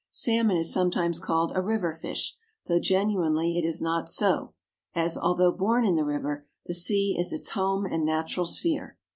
Salmon is sometimes called a river fish, though genuinely it is not so, as, although born in the river, the sea is its home and natural sphere.